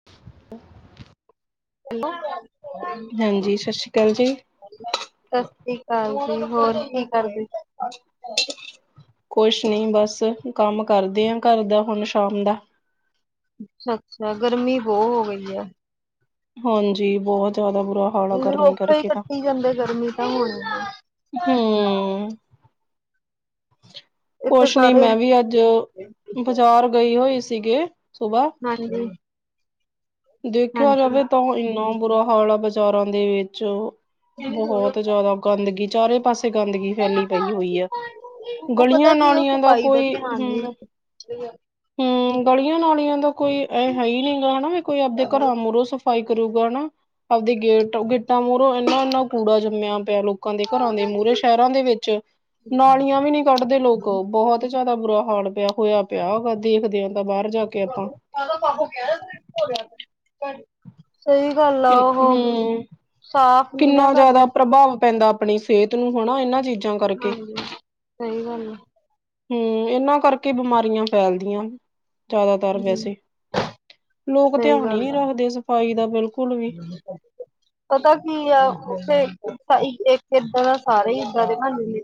[inaudible] [inaudible] ਹਾਂਜੀ, ਸਤਿ ਸ਼੍ਰੀ ਅਕਾਲ ਜੀ। ਸਤਿ ਸ੍ਰੀ ਅਕਾਲ ਜੀ, ਹੋਰ ਕੀ ਕਰਦੇ? ਕੁਛ ਨੀ, ਬਸ ਕੰਮ ਕਰਦੇ ਹਾ। ਘਰ ਦਾ ਹੁਣ ਸ਼ਾਮ ਦਾ ਅੱਛਾ-ਅੱਛਾ ਗਰਮੀ ਬਹੁਤ ਹੋ ਗਈ ਹੈ। ਹਾਂਜੀ, ਬਹੁਤ ਜ਼ਿਆਦਾ ਬੁਰਾ ਹਾਲ ਆ ਗਰਮੀ ਰੁੱਖ ਹੀ ਕਰਕੇ ਤਾਂ ਕੱਟੀ ਜਾਂਦੇ। ਗਰਮੀ ਤਾਂ ਹੁਣ ਹੂ। ਇੱਥੇ ਕੁਛ ਨੀ, ਸਾਰੇ ਮੈਂ ਵੀ ਅੱਜ ਬਾਜ਼ਾਰ ਗਈ ਹੋਈ ਸੀਗੇ। ਸੁਬਾਹ ਹਾਂਜੀ। ਦੇਖਿਆ ਹਾਂਜੀ, ਜਾਵੇ, ਤਾਂ ਇਨਾ ਬੁਰਾ ਹਾਲ ਆ ਬਾਜ਼ਾਰਾਂ ਦੇ ਵਿੱਚ ਬਹੁਤ ਜਿਆਦਾ ਗੰਦਗੀ, ਚਾਰੇ ਪਾਸੇ ਗੰਦਗੀ ਫੈਲੀ ਪਈ ਹੋਈ ਆ। ਉਹ ਪਤਾ ਕੀ ਉਹ ਗਲੀਆਂ-ਨਾਲੀਆਂ ਦਾ ਸਫ਼ਾਈ ਕੋਈ ਧਿਆਨ ਨੀ ਹਮ ਰੱਖ ਹੂ, ਗਲੀਆਂ ਨਾਲੀਆਂ ਦਾ ਕੋਈ ਹੈ। ਹੀ ਨਹੀਂ ਗਗਾ ਹਨਾ। ਮੂਹੋਂ ਸਫ਼ਾਈ ਕਰੂਗਾ ਨਾ ਆਪਦੇ ਗੇਟ ਗੇਟਾਂ ਮੂਹਰੋ ਇਨਾ -ਇਨਾ ਕੂੜਾ ਜੰਮਿਆ ਪਿਆ। ਲੋਕ ਲੋਕਾਂ ਦੇ ਘਰਾਂ ਦੇ ਮੂਹਰੇ ਸ਼ਹਿਰਾਂ ਦੇ ਵਿੱਚ ਨਾਲੀਆਂ ਵੀ ਨੀ ਕੱਢਦੇ ਲੋਕ ਬਹੁਤ ਹੁ, ਜ਼ਿਆਦਾ ਬੁਰਾ-ਹਾਲ ਪਿਆ ਹੋਇਆ ਪਿਆਗਾ। ਦੇਖਦੇ ਹਾਂ, ਤਾਂ ਬਾਹਰ ਜਾ ਕੇ ਆਪਾਂ [unintelligible] ਸਹੀ ਗੱਲ। ਆ ਹੂ। ਉਹ ਸਾਫ਼ ਨੀ ਨਾ ਕਿੰਨਾ ਜਾਦਾ ਕਰਦੇ, ਪ੍ਰਬਾਵ ਪੈਂਦਾ ਅਪਣੀ ਸੇਤ ਨੂੰ ਹੋਣਾ ਏਨਾ ਚੀਜਾ ਹਾਂਜੀ, ਸਈ ਗਾੱਲ ਐ। ਹੂੰ, ਏਨਾ ਕਾਰਕੇ ਈ ਬਿਮਾਰੀਆ ਫੈਲਦੀਆ। ਜਾਦਾਤਰ ਵੈਸੇ, ਲੋਕ ਤੇਆਣ ਈ ਨੀ ਰਾਖਦੇ ਸਫਾਈ ਦਾ। ਬਿਲਕੁਲ ਵੀ ਹੂੰ। ਪਤਾ ਕੀ ਆ ਓਥੇ ਇੱਕ ਏਦਾਂ ਦਾ ਸਾਰੇ ਈ ਇਦਾ ਦੇ ਬਾਨ ਜੱਨਦੇ।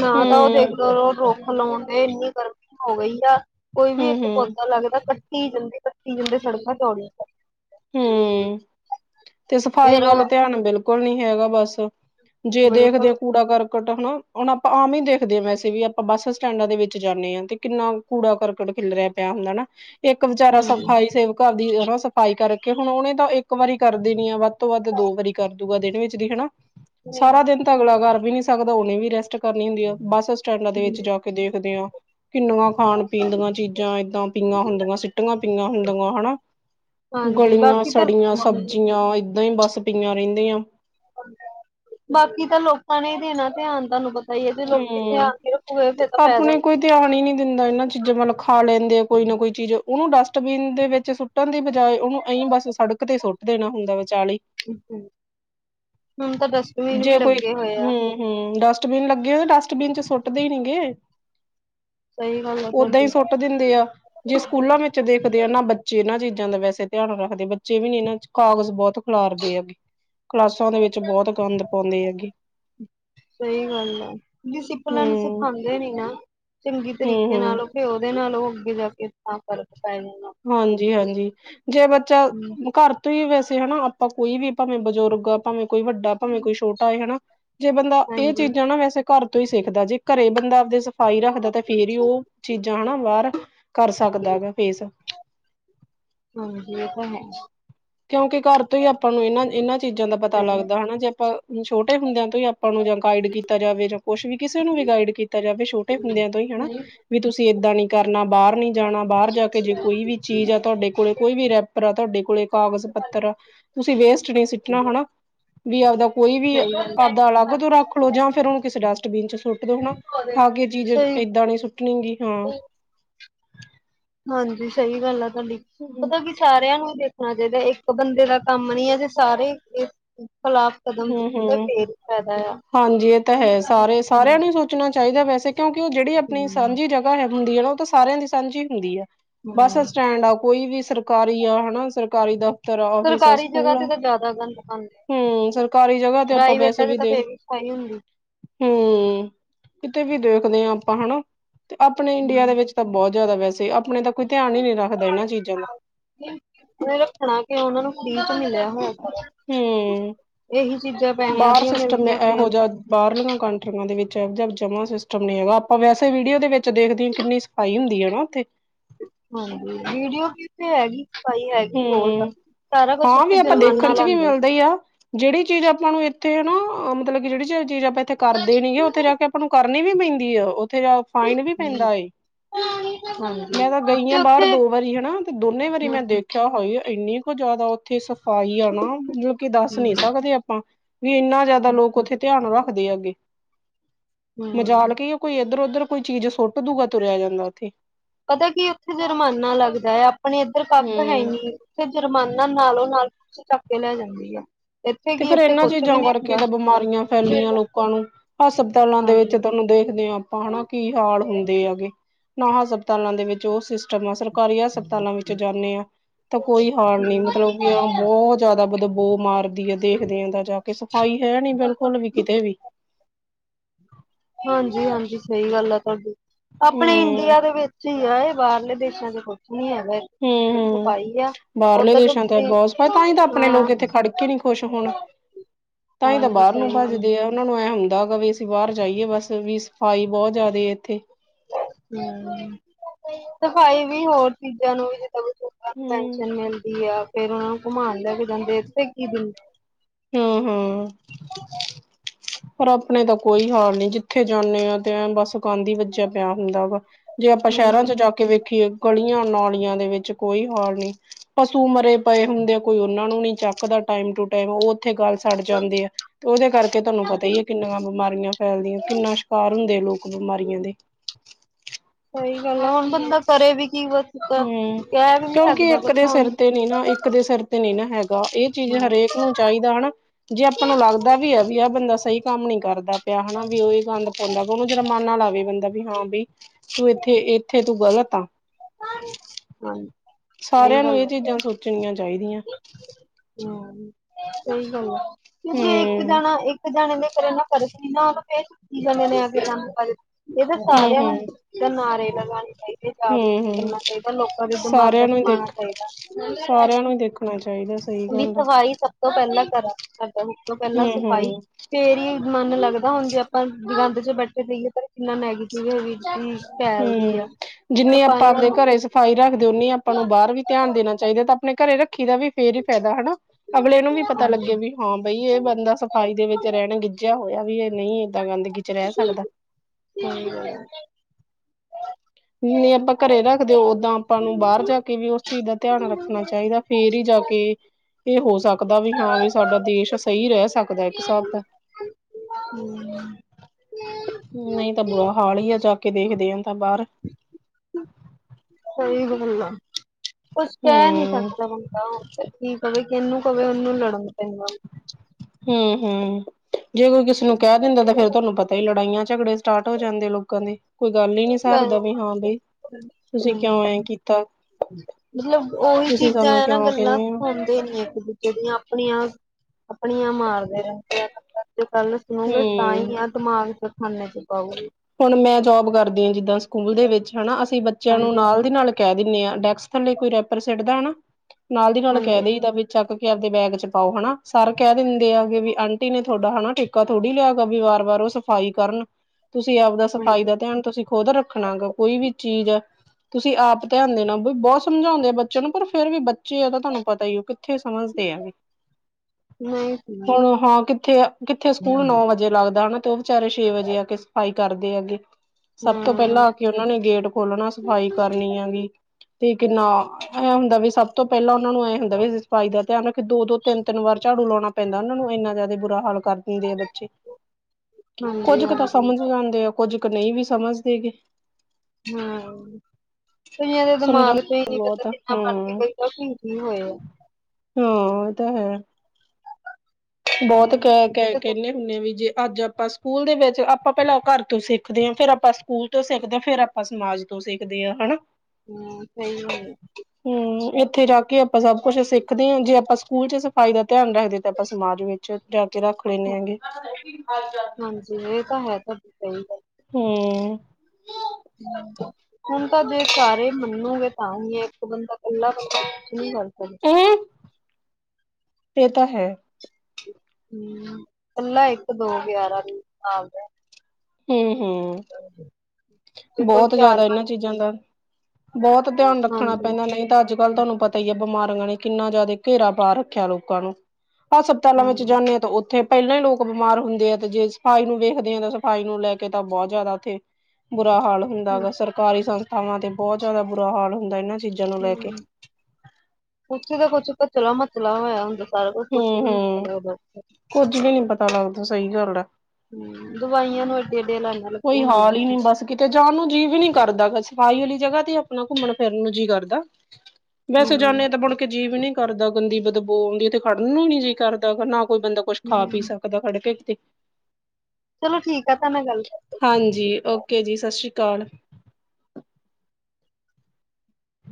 ਨਾ ਤਾ ਓ ਹੂੰ ਦੇਖ ਲੋ ਰੋਖ ਲਾਓਨ ਦੇ ਇੰਨੀ ਗਰਮੀ ਹੋ ਗਈ ਆ। ਕੋਈ ਵੀ ਹੂੰ ਏਕ ਹੂੰ ਪੌਦਾ ਲੱਗਦਾ ਕੱਟੀ ਜੱਨਦੇ ਕੱਟੀ ਜੱਨਦੇ ਸੜਕਾ ਚੌੜੀਆ ਹੂੰ, ਤੇ ਸਫਾਈ ਫੇਰ ਉਹ ਵੱਲ ਤੇਆਨ ਬਿਲਕੋਲ ਨੀ ਹੈਗਾ ਬਾੱਸ। ਜੇ ਦੇਖਦੇ ਬਿਲਕੁਲ ਆ ਕੂੜਾ ਕਰ ਕਟ ਹਨਾ, ਹੁਨ ਆਪਾਂ ਆਮ ਈ ਦੇਖਦੇ ਹਾਂ ਵੈਸੇ ਵੀ ਆਪਾਂ ਬਾੱਸ ਸਟੈਡਾ ਦੇ ਵੇਚ ਜਾਨੇ ਆ ਤੇ ਕਿੰਨਾ ਕੂੜਾ ਕਰਕਟ ਖਿਲ ਰੇਆ ਪੇਆ ਹੁੰਦਾ ਨਾ, ਏਕ ਵਚਾਰਾ ਹਾਂਜੀ ਸਫਾਈ ਸੇਵਕ ਘਾੱਰ ਦੀ ਜਰਾ ਸਫ਼ਾਈ ਕਰ ਕੇ ਹੋਣ ਓਨੇ ਤਾ ਏਕ ਵਾਰੀ ਕਾਰ ਦੇਨੀ ਆ ਵਾੱਦ ਤੋ ਵਾੱਦ ਦੋ ਵਾਰੀ ਕਾਰ ਦੂਗਾ ਦੇਨ ਵੇਚ ਦੀ ਹਨਾ ਸਾਰਾ ਦੇਨ ਤਾ ਅਗਲਾ ਕਾਰ ਵੀ ਨੀ ਸਕਦਾ ਓਨੇ ਵੀ ਰੈਸਟ ਕਰਨੀ ਹੁੰਦੀ ਐ ਬਾੱਸ ਸਟੈਡਾ ਦੇ ਵਿੱਚ ਜਾ ਦੇਖਦੇ ਹਾਂ, ਕਿੰਨਵਾ ਖਾਨ ਪੀਨ ਦਵਾ ਚੀਜਾ ਐਦਾ [unintelligible] [unintelligible] ਹੁੰਦਵਾ ਹਣਾ। ਹਾਂਜੀ ਗਲੀਆਂ ਬਾਕੀ ਤਾਂ ਸੜੀਆਂ ਸਬਜ਼ੀਆਂ ਇਦਾਂ ਈ ਬਾੱਸ ਪਈਆਂ ਰੈਂਦਿਆ। ਬਾਕੀ ਤਾਂ ਲੋਕਾਂ ਨੇ ਦੇਨਾ ਤਯਾਨ ਤਾਨੂੰ ਪ ਹਮ [inaudible] ਤੇ ਫਾਇਦਾ ਅਪਣੇ ਕੋਈ ਹੀ ਤੇਆਣ ਈ ਨੀ ਦਿੰਦਾ ਇਨਾ ਚੀਜਾ ਵੱਲ ਖਾ ਲੈਂਦੇ ਆ ਕੋਈ ਨਾ ਕੋਈ ਚੀਜ। ਉਨੂੰ ਡਸਟਬਿਨ ਦੇ ਵਿੱਚ ਸੁੱਟਨ ਦੀ ਬਜਾਏ ਉਨੂੰ ਅਈ ਬਾੱਸ ਸੜਕ ਤੇ ਸੋਟ ਦੇਨਾ ਹੋਂਦਾ ਵਿਚਾਲਈ। ਹੁਨ ਤਾ ਡਸਟਬੀਨ ਵੀ ਲੱਗੇ ਹੋਏ ਆ। ਹੂੰ, ਡਸਟਬੀਨ ਲੱਗੇ ਹੋਏ ਡਸਟਬੀਨ ਚ ਸੋਟਦੇ ਨੀ ਗੇ। ਸਹੀ ਗੱਲ ਆ ਓਦਾਂ ਈ ਤੁਹਾਡੀ। ਸੋਟ ਦਿਂਦੇ ਆ, ਜੇ ਸਕੂਲਾ ਵੇ ਚ ਦੇਖਦੇ ਆ ਨਾ ਬੱਚੇ ਇਨਾ ਚੀਜਾ ਦਾ ਵੈਸੇ ਤਯਾਨ ਰੱਖਦੇ ਬੱਚੇ ਵੀ ਨੀ ਇਨਾ ਕਾਗਜ਼ ਬੋਤ ਖਲਾਰਦੇ ਐਗੇ, ਕਲਾਸਾਂ ਦੇ ਵੇਚ ਬੋਤ ਗਾਂਦ ਪਾਓਂਦੇ ਐਗੇ। ਸਈ ਗਾੱਲ ਆ, ਨਿ ਸਿਪਲਨ ਨੂੰ ਹਮ ਸਿਖਾਂਦੇ ਨੀ ਨਾ। ਚੰਗੀ ਹਮ ਤਰੀਕੇ ਹਮ ਨਾਲ ਫੇ ਓਦੇ ਨਾਲ ਓ ਅੱਗੇ ਜਾਕੇ ਤਾ ਫਰਕ ਪੈ ਜਾਨਾ। ਹਾਂਜੀ-ਹਾਂਜੀ, ਜੇ ਬੱਚਾ ਹਮ ਘਾੱਰ ਪ੍ਰੀ ਵੈਸੇ ਹਨਾ ਆਪਾ ਕੋਈ ਵੀ ਪਾਵੇ ਬਜੋਰਗ ਆ ਪਾਵੇ ਕੋਈ ਵੱਡਾ ਪਾਵੇ ਕੋਈ ਛੋਟਾ ਏ ਹਣਾ ਜੇ ਬਂਦਾ ਇਹ ਹਾਂਜੀ ਚੀਜਾ ਨਾ ਵੈਸੇ ਘਾੱਰ ਤੋ ਈ ਸੇਖਦਾ ਜੇ ਘੱਰੇ ਬਂਦਾ ਆਪਦੇ ਸਫਾਈ ਰੱਖਦਾ ਤੇ ਫੇਰ ਈ ਓ, ਚੀਜਾ ਹਨਾ ਬਾਰ ਕਾਰ ਸਕਦਾ ਵਾ ਫੇਸ। ਹਾਂਜੀ ਏ ਤਾ ਹੈ। ਕਯੋਕਿ ਘਾੱਰ ਤੋਂ ਈ ਆਪਾਂ ਨੂੰ ਏਨਾ-ਏਨਾ ਚੀਜਾ ਦਾ ਪਤਾ ਸਹੀ ਲੱਗਦਾ ਹਨਾ ਜੇ ਆਪਾ ਛੋਟੇ ਹੋਂਦੇਆਂ ਤੋ ਈ ਆਪਾ ਨੂੰ ਜਾ ਗਾਈਡ ਕੀਤਾ ਜਾਵੇ ਜਾ ਕੋਛ ਵੀ ਕਿਸੇ ਨੂੰ ਵੀ ਗਾਈਡ ਕੀਤਾ ਜਾਵੇ ਛੋਟੇ ਹੋਂਦੇਆਂ ਤੋ ਈ ਹਣਾ ਵੀ ਤੁਸੀ ਏਦਾ ਨੀ ਕਰਨਾ ਬਾਰ ਨੀ ਜਾਣਾ। ਬਾਰ ਜਾ ਕੇ ਜੇ ਕੋਈ ਵੀ ਚੀਜ ਆ ਤੁਆਡੇ ਕੋਲ ਕੋਈ ਵੀ ਰੈਪਰ ਆ ਤੁਆਡੇ ਕੋਲੇ ਕਾਗਜ਼ ਪੱਤਰ ਤੁਸੀ ਵੇਸਟ ਨੀ ਸਿਟਣਾ ਹਣਾ। ਵੀ ਆਪਦਾ ਕੋਈ ਵੀ ਸਹੀ ਗੱਲ ਹੈ। ਆਪਦਾ ਅਲੱਗ ਤੋ ਰਾੱਖ ਲੋ ਜਾ ਫੇਰ ਓਨੂੰ ਕਿਸੇ ਡਸਟਬਿਨ ਚ ਸੋਟ ਦੋ ਹਣਾ। ਖਾ ਕੇ ਚੀਜ ਸਹੀ ਏਦਾ ਨੀ ਸੁੱਟਣੀ ਗ ਹਾਂ। ਹਾਂਜੀ ਸਈ ਗਾੱਲ ਆ ਤੁਆਡੀ, ਪਤਾ ਕਿ ਸਾਰੇਆਂ ਨੂੰ ਈ ਦੇਖਣਾ ਚਾਈਦਾ ਏਕ ਬਂਦੇ ਦਾ ਕਾੱਮ ਨੀ ਐ ਅਸੀ ਸਾਰੇ ਈ ਖਲਾਫ ਕਦਮ ਹੂੰ ਤੇ ਹੂੰ ਫੇਰ ਈ ਫੈਦਾ ਯਾ। ਪੁਛਣਾ ਚਾਹੀਦਾ, ਵੈਸੇ ਕਿਉਂਕਿ ਐਓ ਜੇਹੜੀ ਆਪਣੀ ਸਾਂਝੀ ਜਗ੍ਹਾ ਹੈ ਹੁੰਦੀ ਹੈ, ਨਾ ਓ ਤਾਂ ਸਾਰਿਆਂ ਦੀ ਸਾਂਝੀ ਹੁੰਦੀ ਹੈ। ਬੱਸ ਸਟੈਂਡ ਆ, ਕੋਈ ਵੀ ਸਰਕਾਰੀ ਆ, ਹਨਾ ਸਰਕਾਰੀ ਦਾ ਤੇਰਾ ਔਫਿਸ ਆ, ਸਰਕਾਰੀ ਜਗ੍ਹਾ ਸਕੂਲ ਤੇ ਆ, ਤਾਂ ਜ਼ਿਆਦਾ ਗੰਦ ਪਾਉਂਦੇ ਹੂੰ। ਸਰਕਾਰੀ ਜਗ੍ਹਾ ਤੇ ਆਪਾਂ ਵੈਸੇ ਪ੍ਰਾਈਵੇਟਾਂ ਤੇ ਵੀ ਤਾਂ ਦੇਖ ਫੇਰ ਸਫਾਈ ਹੁੰਦੀ ਹੂੰ, ਕਿਤੇ ਵੀ ਦੇਖਦੇ ਹਾਂ, ਆਪਾਂ ਹਨਾ ਤੇ ਆਪਣੇ ਇੰਡੀਆ ਦੇ ਵਿੱਚ ਤਾਂ ਬੋਤ ਜ਼ਿਆਦਾ ਵੈਸੇ, ਆਪਣੇ ਤਾਂ ਕੋਈ ਧਿਆਨ ਹੀ ਨਹੀਂ ਰੱਖਦਾ, ਏਨਾਂ ਚੀਜ਼ਾਂ ਦਾ। ਓਨੇ ਰੱਖਣਾ ਕਿਉ, ਓਨਾ ਨੂੰ ਫਰੀ ਚ ਮਿਲਿਆ ਹੋਐ। ਹਮ ਏਹੀ ਚੀਜ਼ਾਂ ਪੈਸਿਆਂ ਦੀਆਂ ਮਿਲਦੀਆਂ ਫੇਰ। ਬਾਰਲੀਆਂ ਕੰਟਰੀਆਂ ਦੇ ਵਿੱਚ ਐਹੋ ਜਿਹਾ, ਜਮਾ ਸਿਸਟਮ ਨੀ ਹੈਗਾ, ਆਪਾਂ ਵੈਸੇ ਵੀਡੀਓ ਦੇ ਵਿੱਚ ਦੇਖਦੇ ਹਾਂ, ਕਿੰਨੀ ਸਫਾਈ ਹੁੰਦੀ ਹੈ, ਨਾ ਉੱਥੇ। ਹਾਂਜੀ, ਵੀਡੀਓ ਕਿਥੇ ਹੈਗੀ? ਭਾਈ ਹੈਗੀ ਬੋਤ ਹਮ ਆ, ਸਾਰਾ ਕੁਛ ਉੱਥੇ ਜੁਰਮਾਨਾ ਲਾਉਂਦੇ। ਜੇਹੜੀ ਚੀਜ਼ ਆਪਾਂ ਨੂੰ ਏਥੇ ਨਾ, ਮਤਲਬ ਕਿ ਜੇੜੀ ਚੀਜ਼ ਆਪਾਂ ਇੱਥੇ ਕਰਦੇ ਨੀਗੇ, ਉੱਥੇ ਕੇ ਆਪਾਂ ਨੂੰ ਕਰ ਕਰਨੀ ਵੀ ਪੈਂਦੀ ਹੈ। ਉੱਥੇ ਜਾ ਫਾਈਨ ਵੀ ਹੂੰ, ਪੈਂਦਾ ਹੈ। ਹਾਂਜੀ ਮੈਂ ਤਾਂ ਗਈ ਤੇ ਹਾਂ, ਬਾਰ ਉੱਥੇ ਦੋ ਵਾਰੀ ਹਨਾ ਤੇ ਦੋਨੇ ਵਾਰੀ ਹੂੰ ਮੈਂ ਦੇਖਿਆ ਹਾਏ, ਏਨੀ ਕੁ ਜ਼ਿਆਦਾ ਉੱਥੇ ਸਫ਼ਾਈ ਆ ਨਾ, ਮਤਲਬ ਕਿ ਦੱਸ ਨੀ ਹੂੰ ਸਕਦੇ ਆਪਾਂ ਵੀ ਏਨਾ ਜ਼ਿਆਦਾ ਲੋਕ ਉੱਥੇ ਧਿਆਨ ਰੱਖਦੇ ਆ, ਅੱਗੇ ਮਜਾਲ ਹੂੰ ਕੇ ਕੋਈ ਇੱਧਰ-ਉੱਧਰ ਕੋਈ ਚੀਜ਼ ਸੁੱਟ ਦੂਗਾ। ਤੁਰਿਆ ਜਾਂਦਾ ਓਥੇ ਪਤਾ ਕੀ ਉੱਥੇ ਜੁਰਮਾਨਾ ਲੱਗਦਾ ਐ, ਆਪਣੇ ਇੱਧਰ ਕੱਖ ਹੈ ਹਮ ਨੀ, ਓਥੇ ਜੁਰਮਾਨਾ ਨਾਲੋਂ-ਨਾਲ ਚੱਕ ਕੇ ਲੈ ਜਾਂਦੀ ਆ। ਤੇ ਕੀ ਫੇਰ, ਇੱਥੇ ਏਹਨਾਂ ਕੁਛ ਚੀਜ਼ਾਂ ਵੀ ਨੀ ਕਰਕੇ ਹੁੰਦਾ ਤਾਂ ਬਿਮਾਰੀਆਂ ਫੈਲੀਆਂ ਲੋਕਾਂ ਨੂੰ। ਹਸਪਤਾਲਾਂ ਦੇ ਵਿੱਚ ਹਾਂਜੀ ਤੁਹਾਨੂੰ ਦੇਖਦੇ ਹੋ। ਆਪਾਂ ਹਨਾ, ਕੀ ਹਾਲ ਹੁੰਦੇ ਆਗੇ, ਨਾ ਹਸਪਤਾਲਾਂ ਦੇ ਵਿੱਚ ਓ ਸਿਸਟਮ ਆ ਸਰਕਾਰੀ ਹਸਪਤਾਲਾਂ ਵਿੱਚ ਜਾਂਣੇ ਆਂ। ਤਾਂ ਕੋਈ ਹਾਲ ਨੀ, ਮਤਲਬ ਕਿ ਬੋਤ ਜਿਆਦਾ ਬਦਬੋ ਮਾਰਦੀ ਹੈ। ਦੇਖਦੇ ਐ, ਤਾਂ ਜਾ ਕੇ ਸਫ਼ਾਈ ਹੈ ਨੀ, ਬਿਲਕੁਲ ਵੀ ਕਿਤੇ ਵੀ ਹਾਂਜੀ-ਹਾਂਜੀ, ਸਹੀ ਗੱਲ ਆ, ਤੁਹਾਡੀ ਆਪਣੇ ਹਮ ਇੰਡੀਆ ਦੇ ਵਿੱਚ ਆ, ਏਹ ਬਾਹਰਲੇ ਦੇਸ਼ਾਂ ਚ ਕੁੱਛ ਨੀ ਹੈਗਾ। ਇੱਥੋਂ ਹੂੰ-ਹੂੰ, ਪਾਈ ਆ ਬਾਰਲੇ ਓਧਰ ਤਾਂ ਦੇਸਾਂ ਤੇ ਬੋਤ ਭਾਈ, ਤੁਸੀਂ ਤਾਂਹੀ ਤਾਂ ਆਪਣੇ ਲੋਕ ਹਾਂ ਇੱਥੇ ਖੜ ਕੇ ਨੀ ਖੁਸ਼ ਹੋਣ। ਤਾਂ ਹੀ ਤਾਂ ਹਾਂਜੀ ਬਾਰ ਨੂੰ ਸਹੀ ਗੱਲ ਭੱਜਦੇ ਆ। ਓਨਾਂ ਨੂੰ ਐ ਹੁੰਦਾ ਹੈਗਾ, ਵੀ ਅਸੀਂ ਬਾਰ ਜਾਈਏ, ਬਸ ਵੀ ਸਫ਼ਾਈ ਬੋਤ ਜ਼ਿਆਦਾ ਏਥੇ ਹੂੰ, ਸਫਾਈ ਵੀ ਹੋਰ ਚੀਜ਼ਾਂ ਨੂੰ ਵੀ ਜਿੱਦਾਂ। ਹਮ ਪੈਨਸ਼ਨ ਮਿਲਦੀ ਆ, ਫੇਰ ਓਨਾਂ ਨੂੰ ਘੁਮਾਣ ਲੈ ਕੇ ਜਾਂਦੇ। ਏਥੇ ਕੀ ਦਿੰਦੇ। ਹੂੰ-ਹੂੰ। ਪਰ ਆਪਣੇ ਤਾਂ ਕੋਈ ਹਾਲ ਨੀ, ਜਿੱਥੇ ਜਾਂਦੇ ਆ ਤੇ ਬਸ। ਗੰਦ ਈ ਵੱਜਿਆ ਪਿਆ ਹੁੰਦਾ ਵਾ, ਜੇ ਆਪਾਂ ਸ਼ਹਿਰਾਂ ਹੂੰ ਚ ਜਾ ਕੇ ਵੇਖੀਏ। ਗਲੀਆਂ-ਨਾਲੀਆਂ ਦੇ ਵਿੱਚ ਕੋਈ ਹਾਲ ਨਹੀਂ। ਪਸੂ ਮਰੇ ਪਏ ਹੁੰਦੇ ਆ, ਕੋਈ ਓਨਾਂ ਨੂੰ ਨੀ ਚੱਕਦਾ ਟਾਈਮ ਟੂ ਟਾਈਮ ਉਹ ਉਥੇ ਗੱਲ ਸੜ ਜਾਂਦੇ ਆ, ਤੇ ਓਦੇ ਕਰਕੇ ਤੁਹਾਨੂੰ ਪਤਾ ਈ ਐ, ਕਿੰਨੀਆਂ ਬਿਮਾਰੀਆਂ ਫੈਲਦੀਆਂ ਕਿੰਨਾ ਸ਼ਿਕਾਰ ਹੁੰਦੇ ਆ, ਲੋਕ ਬਿਮਾਰੀਆਂ ਦੇ। ਸਹੀ ਗੱਲ ਹੈ, ਹੁਣ ਬੰਦਾ ਕਰੇ ਵੀ ਕੀ? ਹੂੰ, ਕਹਿ ਵੀ ਨੀ ਕਿਉਂਕਿ ਸਕਦਾ ਇੱਕ ਕੁਛ ਦੇ ਸਿਰ ਹੁਣ ਤੇ ਨੀ ਨਾ ਇੱਕ ਦੇ ਸਿਰ ਤੇ ਨੀ ਨਾ ਹੈਗਾ, ਏਹ ਚੀਜ਼ ਹਾਂ-ਹਾਂ ਹਰੇਕ ਨੂੰ ਚਾਹੀਦਾ ਹਨਾ ਜੇ ਆਪਾਂ ਨੂੰ ਲੱਗਦਾ ਵੀ ਆ, ਵੀ ਆਹ ਬੰਦਾ ਸਹੀ ਕੰਮ ਨੀ ਕਰਦਾ ਪਿਆ, ਹਨਾ ਓਹੀ ਗੰਦ ਪਾਉਂਦਾ ਵਾ, ਓਨੂੰ ਜੁਰਮਾਨਾ ਲਾਵੇ ਬੰਦਾ। ਵੀ ਹਾਂ ਬਈ, ਤੂੰ ਇੱਥੇ-ਇੱਥੇ ਤੂੰ ਗਲਤ ਆ। [unintelligible] ਹਾਂ ਸਾਰਿਆਂ ਨੂੰ ਇਹ ਚੀਜ਼ਾਂ ਸੋਚਣੀਆਂ ਚਾਹੀਦੀਆਂ। ਹੂੰ ਸਹੀ ਗੱਲ ਐ। ਕਿ ਇੱਕ ਹੂੰ ਜਾਣਾ ਇੱਕ ਜਾਣੇ ਦੇ ਕਰ ਨਾ ਕਰ ਜਿਹਨਾਂ ਉਹਨੂੰ [unintelligible] ਜਾਣਿਆ ਨੇ ਆ ਕੇ ਗੰਦ ਪਾ ਦਿੱਤਾ। ਇਹ ਤਾਂ ਹੂੰ ਸਾਰਿਆਂ ਹੂੰ ਨੂੰ, ਨਾਅਰੇ ਲਗਾਣੇ ਚਾਹੀਦੇ ਆ। ਹੂੰ ਹੂੰ ਕਰਨਾ ਚਾਹੀਦਾ ਲੋਕਾਂ ਦੇ ਦਿਮਾਗ ਸਾਰਿਆਂ 'ਚ ਨੂੰ ਪਾਣਾ ਚਾਹੀਦਾ। ਕਰਨਾ ਚਾਹੀਦਾ ਸਹੀ ਵੀ ਗੱਲ ਆ। ਸਫਾਈ ਸਭ ਤੋਂ ਪਹਿਲਾਂ ਕਰਾਂ ਸਾਡਾ ਸਭ ਤੋਂ ਪਹਿਲਾਂ ਹੂੰ ਸਫਾਈ ਹੂੰ ਫੇਰ ਈ ਮਨ ਲੱਗਦਾ ਹੁਣ ਜੇ ਆਪਾਂ ਗੰਦ 'ਚ ਬੈਠੇ ਰਈਏ ਤਾਂ ਕਿੰਨਾ ਨੈਗੇਟਿਵਿਟੀ ਫੈਲਦੀ ਆ। ਸਫਾਈਆਂ ਨੂੰ ਸਫਾਈ ਰੱਖਦੇ ਓਨੀ ਆਪਾਂ ਨੂੰ ਬਾਹਰ ਵੀ ਧਿਆਨ ਦੇਣਾ ਚਾਹੀਦਾ ਤਾਂ ਆਪਣੇ ਘਰੇ ਰੱਖੀ ਦਾ ਵੀ ਫੇਰ ਹੀ ਫਾਇਦਾ ਹਨਾ। ਅਗਲੇ ਨੂੰ ਵੀ ਪਤਾ ਹਾਂਜੀ ਲੱਗੇ ਵੀ ਹਾਂ ਬਈ ਇਹ ਬੰਦਾ ਸਫ਼ਾਈ ਦੇ ਵਿੱਚ ਰਹਿਣ ਗਿ ਝਿਆ ਹੋਇਆ ਵੀ ਇਹ ਨਹੀਂ ਏਦਾਂ ਗੰਦਗੀ 'ਚ ਰਹਿ ਸਕਦਾ। ਹੂੰ [unintelligible] ਜਿੰਨੀ ਆਪਾਂ ਘਰੇ ਰੱਖਦੇ ਓਦਾਂ ਆਪਾਂ ਨੂੰ ਬਾਹਰ ਜਾ ਕੇ ਵੀ ਉਸ ਚੀਜ਼ ਦਾ ਧਿਆਨ ਰੱਖਣਾ ਚਾਹੀਦਾ ਫੇਰ ਹੀ ਜਾ ਕੇ ਇਹ ਹੋ ਸਕਦਾ ਵੀ ਹਾਂ ਵੀ ਸਾਡਾ ਦੇਸ਼ ਸਹੀ ਰਹਿ ਸਕਦਾ ਇੱਕ ਸਾਬ ਦਾ। ਹੂੰ [unintelligible] ਨਹੀਂ ਤਾਂ ਬੁਰਾ ਹਾਲ ਹੀ ਆ ਜਾ ਕੇ ਦੇਖਦੇ ਆ ਤਾਂ ਬਾਹਰ। ਸਹੀ ਗੱਲ ਆ, ਕੁਛ ਕਹਿ ਨੀ ਹੂੰ ਸਕਦਾ ਬੰਦਾ। ਫਿਰ ਕੀ ਕਵੇ ਇਹਨੂੰ ਕਵੇ ਉਹਨੂੰ ਲੜਨ ਪੈਂਦਾ। ਹੂੰ-ਹੂੰ, ਜੇ ਕੋਈ ਕਿਸੇ ਨੂੰ ਕਹਿ ਦਿੰਦਾ ਤਾਂ ਫੇਰ ਤੁਹਾਨੂੰ ਪ ਤਾਂ ਲੜਾਈਆਂ ਝਗੜੇ ਸਟਾਰਟ ਹੋ ਜਾਂਦੇ ਲੋਕਾਂ ਦੇ। ਕੋਈ ਗੱਲ ਹੀ ਨੀ ਸਹਾਰਦਾ ਵੀ ਹਾਂ ਬਈ, ਤੁਸੀਂ ਕਿਉਂ ਆਏ ਹੂੰ ਕੀ ਮਤਲਬ ਉਹੀ ਚੀਜ਼ਾਂ ਸਾਨੂੰ ਹੈ ਨਾ ਕਿਉਂ ਗੱਲਾਂ, ਕਹਿੰਦੇ ਹੋ ਹੁਨ ਦਾ ਨੀ ਏ ਇੱਕ-ਦੂਜੇ ਦੀਆਂ ਆਪਣੀਆਂ, ਆਪਣੀਆਂ ਮਾਰਦੇ ਰਹਿੰਦੇ ਅਜਕੱਲ। ਸੁਣੋਗੇ ਤਾਂ ਹੂੰ ਹੀ ਆ ਦਿਮਾਗ 'ਚ ਖਾਨੇ 'ਚ ਪਾਉਗੀ। ਹੁਣ ਮੈਂ ਜੋਬ ਕਰਦੀ ਹਾਂ ਜਿੱਦਾਂ ਸਕੂਲ ਦੇ ਵਿੱਚ ਹਨਾ ਅਸੀਂ ਬੱਚਿਆਂ ਨੂੰ ਹਾਂਜੀ ਨਾਲ ਦੀ ਨਾਲ ਕਹਿ ਦਿੰਨੇ ਆ ਡੈਕਸ ਥੱਲੇ ਕੋਈ ਰੈਪਰ ਸਿੱਟਦਾ ਹੈ ਨਾ, ਨਾਲ ਦੀ ਨਾਲ ਕਹਿ ਹਾਂਜੀ ਦੇਈ ਦਾ ਵੀ ਚੱਕ ਕੇ ਆਪਦੇ ਬੈਗ 'ਚ ਪਾਓ ਹਨਾ ਸਰ ਕਹਿ ਦਿੰਦੇ ਆ ਅਖੇ ਵੀ ਆਂਟੀ ਨੇ ਥੋਡਾ ਹਨਾ ਠੇਕਾ ਥੋੜੀ ਲਿਆ ਕਰ ਵੀ ਵਾਰ-ਵਾਰ ਉਹ ਸਫ਼ਾਈ ਕਰਨ। ਤੁਸੀਂ ਆਵਦਾ ਸਫ਼ਾਈ ਹਾਂਜੀ ਦਾ ਧਿਆਨ ਤੁਸੀਂ ਖੁਦ ਰੱਖਣਾ ਗਾ ਕੋਈ ਵੀ ਚੀਜ਼ ਆ ਤੁਸੀਂ ਆਪ ਧਿਆਨ ਦੇਨਾ ਵੀ ਬਹੁਤ ਸਮਝਾਉਂਦੇ ਆ ਬੱਚਿਆਂ ਨੂੰ ਪਰ ਫੇਰ ਵੀ ਬੱਚੇ ਆ ਤਾਂ ਤੁਹਾਨੂੰ ਪਤਾ ਹੀ ਉਹ ਕਿੱਥੇ ਸਮਝਦੇ ਆ ਵੀ। ਨਹੀਂ ਸੁਣਦੇ ਹੁਣ ਹਾਂ ਕਿੱਥੇ, ਕਿੱਥੇ ਸਕੂਲ ਨੌ ਵਜੇ ਲੱਗਦਾ ਹਨਾ ਤੇ ਉਹ ਵਿਚਾਰੇ ਛੇ ਵਜੇ ਆ ਕੇ ਸਫ਼ਾਈ ਕਰਦੇ ਹੈਗੇ। ਸਭ ਹਾਂ ਤੋਂ ਪਹਿਲਾਂ ਆ ਕੇ ਉਹਨਾਂ ਨੇ ਗੇਟ ਖੋਲਣਾ ਸਫ਼ਾਈ ਕਰਨੀ ਹੈਗੀ। ਤੇ ਕਿੰਨਾ, ਇਹ ਹੁੰਦਾ ਵੀ ਸਭ ਤੋਂ ਪਹਿਲਾਂ ਉਹਨਾਂ ਨੂੰ ਆਏ ਹੁੰਦਾ ਵੀ ਸਫਾਹੀ ਦਾ ਧਿਆਨ ਰੱਖੇ ਦੋ-ਦੋ ਤਿੰਨ-ਤਿੰਨ ਵਾਰ ਝਾੜੂ ਲਉਣਾ ਪੈਂਦਾ ਉਹਨਾਂ ਨੂੰ ਐਨਾ ਜਿਆਦਾ ਬੁਰਾ ਹਾਲ ਕਰ ਦਿੰਦੇ ਆ ਬੱਚੇ। ਹਾਂਜੀ ਕੁੱਝ ਕੁ ਤਾਂ ਹਾਂਜੀ ਸਮਝ ਜਾਂਦੇ ਆ ਕੁੱਝ ਕੁ ਨਹੀਂ ਵੀ ਸਮਝਦੇ ਗੇ। ਹਾਂ। ਕਈਆ ਦੇ ਦਿਮਾਗ 'ਚ ਹੀ ਸਮਝਾਉਣਾ ਨੀ ਪਤਾ ਬਹੁਤ ਆ ਜਿੰਨਾ ਮਰਜ਼ੀ ਹੂੰ ਕੋਈ ਢੀਠ ਈ ਹੋਏ ਆ। ਹਾਂ ਇਹ ਤਾਂ ਹੈ। ਬੋਤ ਕਹਿ ਕਹਿ ਹੂੰ ਕਹਿਨੇ ਹੁੰਨੇ ਵੀ ਜੇ ਅੱਜ ਆਪਾਂ ਸਕੂਲ ਦੇ ਵਿੱਚ ਆਪਾਂ ਪਹਿਲਾਂ ਘਰ ਤੋਂ ਸਿੱਖਦੇ ਆ, ਫੇਰ ਆਪਾਂ ਸਕੂਲ ਤੋਂ ਸਿੱਖਦੇ ਆ, ਫੇਰ ਆ ਪਾਂ ਸਮਾਜ ਤੋਂ ਸਿੱਖਦੇ ਆ ਹਨਾ। ਹੂੰ, ਸਈ ਗੱਲ ਏ। ਹੂੰ, ਇੱਥੇ ਜਾ ਕੇ ਆਪਾਂ ਸਭ ਕੁਛ ਸਿੱਖਦੇ ਆ ਜੇ ਆਪਾਂ ਸਕੂਲ ਚ ਸਫ਼ਾਈ ਦਾ ਧਿਆਨ ਰੱਖਦੇ ਤਾਂ ਆਪਾਂ ਸਮਾਜ ਵਿੱਚ ਜਾ ਕੇ ਰੱਖ ਲੈਂਨੇ ਆਗੇ। ਜੀ ਇਹ ਤਾਂ ਹੈ ਤਾਂ ਸਈ ਗੱਲ ਹੂੰ। ਹੂੰ। ਹੂੰ। ਹੁਣ ਤਾਂ ਜੇ ਸਾਰੇ ਮੰਨੋਗੇ ਤਾਂ ਹੀ ਏ ਇੱਕ ਬੰਦਾ, ਕੱਲਾ ਬੰਦਾ ਕੁਛ ਨੀ ਕਰ ਸਕ ਹੂੰ, ਏਹ ਤਾਂ ਹੈ। ਹੂੰ, ਕੱਲਾ ਇੱਕ-ਦੋ ਗਿਆਰਾਂ ਆ ਗਿਆ। ਹੂੰ-ਹੂੰ, ਜੇ ਕੋਈ ਬੋਅਤ ਚਾਰ ਜ਼ਿਆਦਾ ਇਹਨਾਂ ਪੰਜ ਚੀਜ਼ਾਂ ਦਾ ਬੋਤ ਧਿਆਨ ਰੱਖਣਾ ਹਾਂਜੀ ਪੈਂਦਾ ਨਈ ਤਾਂ, ਅੱਜ-ਕੱਲ੍ਹ ਤੁਹਨੂੰ ਪਤਾ ਈ ਏ, ਬਿਮਾਰੀਆਂ ਨੇ ਕਿੰਨਾ ਜ਼ਿਆਦਾ ਘੇਰਾ ਪਾ ਰੱਖਿਆ ਲੋਕਾਂ ਨੂੰ। ਹਸਪਤਾਲਾਂ ਵਿੱਚ ਹਾਂਜੀ ਜਾਂਨੇ ਆ ਤਾਂ ਉੱਥੇ ਪਹਿਲਾਂ ਈ ਲੋਕ ਬਿਮਾਰ ਹੁੰਦੇ ਆ 'ਤੇ ਜੇ ਸਫ਼ਾਈ ਨੂੰ ਵੇਖਦੇ ਆ ਤਾਂ ਸਬ ਸਫ਼ਾਈ ਨੂੰ ਲੈ ਕੇ ਤਾਂ ਬਹੁਤ ਜ਼ਿਆਦਾ ਉਥੇ ਬੁਰਾ ਹਾਲ ਹੁੰਦਾ ਹਮ ਹੈਗਾ ਸਰ ਕਾਰੀ ਸੰਸਥਾਵਾਂ ਤੇ ਬਹੁਤ ਜ਼ਿਆਦਾ ਬੁਰਾ ਹਾਲ ਹੁੰਦਾ ਇਹਨਾਂ ਚੀਜ਼ਾਂ ਨੂੰ ਲੈ ਕੇ ਹੂੰ, ਉੱਥੇ ਤਾਂ ਕੁਛ ਕਚਲਾ-ਮਚਲਾ ਹੋਇਆ ਹੁੰਦਾ ਸਾਰਾ ਕੁ ਹੂੰ ਕੁਛ ਨੀ ਪਤਾ ਹੂੰ ਲੱਗਦਾ ਉਥੇ। ਕੁੱਝ ਵੀ ਨੀ ਪਤਾ ਲੱਗਦਾ ਸਈ ਗੱਲ ਐ। ਹੂੰ, ਦਵਾਈਆਂ ਨੂੰ ਏਡੇ-ਏਡੇ ਲੇਨਾ ਲੱਗੀਆ ਕੋਈ ਹਾਲ ਹੀ ਹੁੰਦੀਆਂ। ਨੀ ਬਸ ਕਿਤੇ ਜਾਣ ਨੂੰ ਜੀਅ ਵੀ ਨੀ ਕਰਦਾ ਸਫ਼ਾਈ ਆਲੀ ਜਗ੍ਹਾ ਤੇ ਆਪਣਾ ਘੁੰਮਣ-ਫਿਰਨ ਨੂੰ ਜੀਅ ਕਰਦਾ। ਵੈਸੇ ਜਾਂਨੇ ਹਮ ਆ ਤਾਂ ਮੁਣ ਕੇ ਜੀਅ ਵੀ ਨੀ ਕਰਦਾ ਗੰਦੀ ਬਦਬੋ ਹੋਂਦੀ ਏਥੇ ਖੜਨ ਨੂੰ ਨੀ ਜੀ ਕਰਦਾ ਅਗਰ ਨਾ ਕੋਈ ਬੰਦਾ ਕੁਛ ਖਾ-ਪੀ ਹਮ ਸਕਦਾ ਖੜਕੇ ਕਿਤੇ? ਚਲੋ ਠੀਕ ਐ ਪਾਪਾਂ ਨਾਲ ਗੱਲ ਕਰ ਹਾਂਜੀ, ਓਕੇ ਜੀ ਸਤਿ ਸ਼੍ਰੀ ਅਕਾਲ।